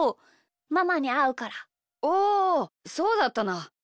おおそうだったな。